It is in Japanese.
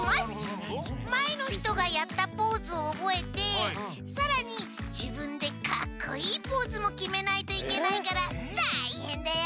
まえのひとがやったポーズをおぼえてさらにじぶんでかっこいいポーズもきめないといけないからたいへんだよ。